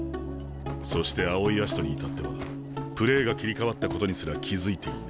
そして青井葦人にいたってはプレーが切り替わったことにすら気付いていない。